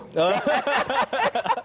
terima kasih pak muldoko